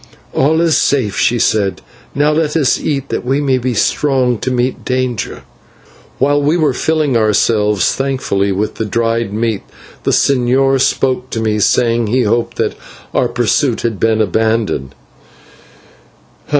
"All is safe," she said; "now let us eat that we may be strong to meet danger." While we were filling ourselves thankfully with the dried meat, the señor spoke to me, saying he hoped that our pursuit had been abandoned.